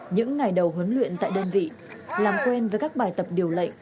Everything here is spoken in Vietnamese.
những ngày đầu huấn luyện tại đơn vị làm quen với các bài tập điều lệnh